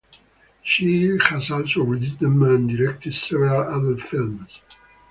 She has also written and directed several adult films.